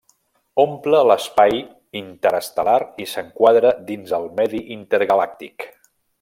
Omple l'espai interestel·lar i s'enquadra dins el medi intergalàctic.